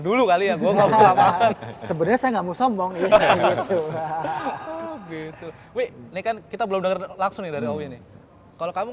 dulu kali ya gue ngomong sebenarnya saya nggak mau sombong ini kita belum langsung kalau kamu